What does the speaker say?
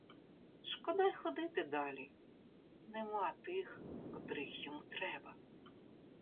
Шкода й ходити далі: нема тих, котрих йому треба.